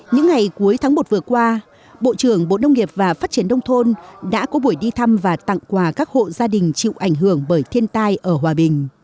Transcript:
những ngày cuối tháng một vừa qua bộ trưởng bộ nông nghiệp và phát triển đông thôn đã có buổi đi thăm và tặng quà các hộ gia đình chịu ảnh hưởng bởi thiên tai ở hòa bình